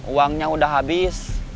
uangnya udah habis